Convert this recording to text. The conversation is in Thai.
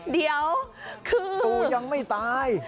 เดี๋ยวคือตูยังไม่ตาย